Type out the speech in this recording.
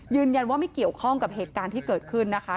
ยืนยันว่าไม่เกี่ยวข้องกับเหตุการณ์ที่เกิดขึ้นนะคะ